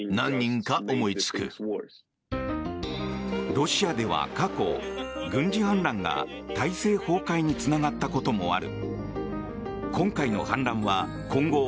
ロシアでは過去、軍事反乱が体制崩壊につながったこともある。